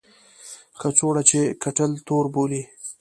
کڅوړه چې کیټل تور بولي.